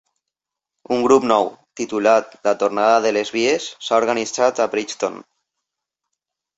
Un grup nou, titulat La Tornada de les Vies, s'ha organitzat a Bridgton.